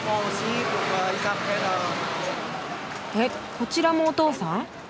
えっこちらもお父さん？